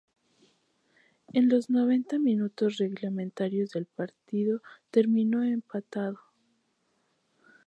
En los noventa minutos reglamentarios el partido terminó empatado.